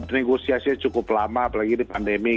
ya memang negosiasinya cukup lama apalagi ini pandemi ini